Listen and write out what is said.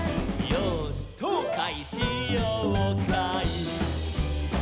「よーしそうかいしようかい」